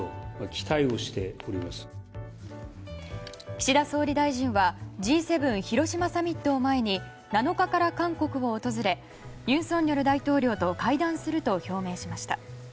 岸田総理大臣はＧ７広島サミットを前に７日から韓国を訪れ尹錫悦大統領と会談すると表明しました。